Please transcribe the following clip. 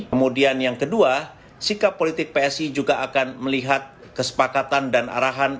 kemudian yang kedua sikap politik psi juga akan melihat kesepakatan dan arahan